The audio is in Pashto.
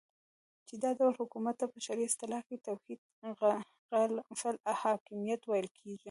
چی دا ډول حکومت ته په شرعی اصطلاح کی توحید فی الحاکمیت ویل کیږی